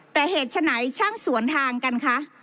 แต่เหตุฉะไหนช่างสวนทางกันคะ